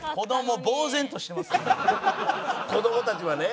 子どもたちはね。